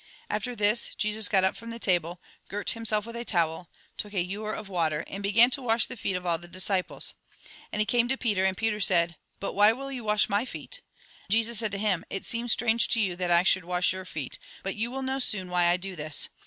After this, Jesus got up from the table, girt himself with a towel, took a ewer of water, and began to wash the feet of all the disciples. And he came to Peter ; and Peter said :" But why will you wash my feet ?" Jesus said to him :" It seems strange to you that I should wash your feet ; but you will know soon why I do this.